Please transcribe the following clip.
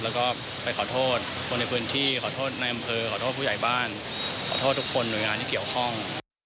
แล้วก็ไปขอโทษคนในพื้นที่ขอโทษในอำเภอขอโทษผู้ใหญ่บ้านขอโทษทุกคนหน่วยงานที่เกี่ยวข้อง